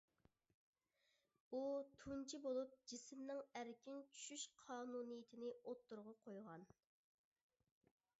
ئۇ تۇنجى بولۇپ جىسىمنىڭ ئەركىن چۈشۈش قانۇنىيىتىنى ئوتتۇرىغا قويغان.